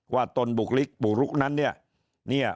ว่าตนบุกลิกปุรุกนั้นเนี่ย